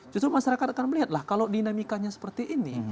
justru masyarakat akan melihatlah kalau dinamikanya seperti ini